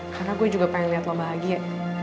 karena gue juga pengen liat lo bahagia